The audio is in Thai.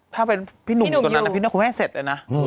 ถ้าเป็นพี่หนุ่มอยู่ตรงนั้นพี่หนุ่มคุณแม่เสร็จเลยนะ